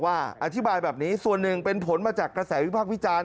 อธิบายแบบนี้ส่วนหนึ่งเป็นผลมาจากกระแสวิพักษ์วิจารณ์